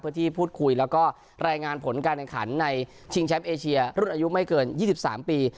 เพื่อที่พูดคุยแล้วก็รายงานผลการแข่งขันในชิงแชมป์เอเชียรุ่นอายุไม่เกิน๒๓ปี